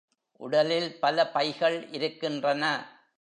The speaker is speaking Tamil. உடலில் பல பைகள் இருக்கின்றன.